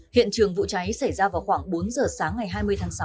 hiện trường vụ cháy xảy ra vào khoảng bốn giờ sáng ngày hai mươi tháng sáu